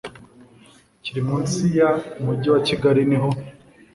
kiri munsi ya Umujyi wa Kigali niho